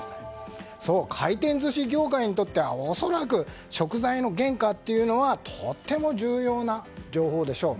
回転寿司業界にとっては恐らく食材の原価というのはとても重要な情報でしょう。